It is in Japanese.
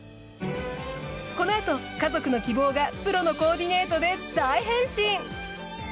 このあと家族の希望がプロのコーディネートで大変身。